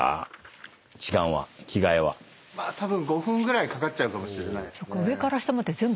たぶん５分ぐらいかかっちゃうかもしれないですね。